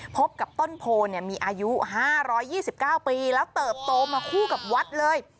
พบกับต้นโพมีอายุ๕๒๙ปีแล้วเติบโตมาคู่กับวัดเลย